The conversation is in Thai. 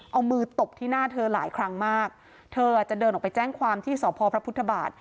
เอามือตบที่หน้าเธอหลายครั้งมากเธออาจจะเดินออกไปแจ้งความที่สพพระพุทธบาท